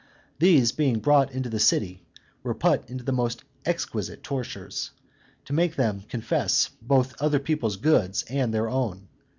These being brought into the city, were put to the most exquisite tortures, to make them confess both other people's goods and their own.